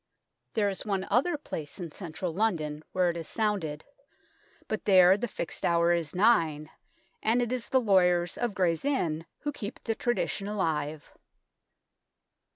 There is one other place in central London where it is sounded, but there the fixed hour is nine, and it is the lawyers of Gray's Inn who keep the tradition alive.